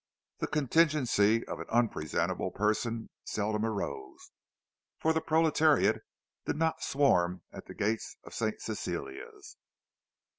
The contingency of an unpresentable person seldom arose, for the proletariat did not swarm at the gates of St. Cecilia's.